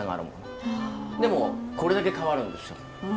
でもこれだけ変わるんですよ。